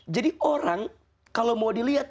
jadi orang kalau mau dilihat